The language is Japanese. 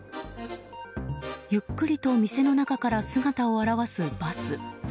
ゆっくりと店の中から姿を現すバス。